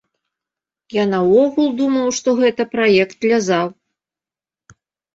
Я наогул думаў, што гэта праект для зал.